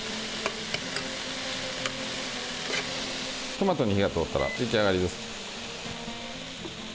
トマトに火が通ったら出来上がりです。